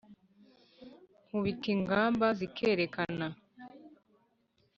nkubita ingamba zikerekerana.